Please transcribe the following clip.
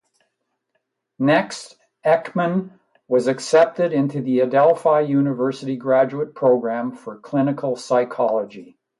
Next, Ekman was accepted into the Adelphi University graduate program for clinical psychology.